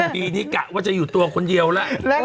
ปีนี้กะว่าจะอยู่ตัวคนเดียวแล้ว